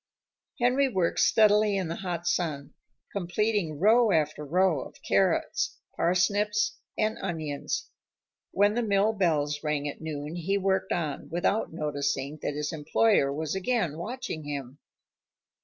Henry worked steadily in the hot sun, completing row after row of carrots, parsnips, and onions. When the mill bells rang at noon he worked on, without noticing that his employer was again watching him.